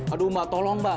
aduh mbak tolong mbak